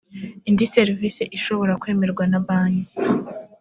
indi serivisi ishobora kwemerwa na banki